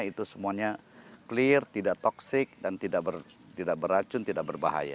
itu semuanya clear tidak toxic dan tidak beracun tidak berbahaya